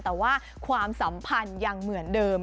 แต่ว่าความสัมพันธ์ยังเหมือนเดิม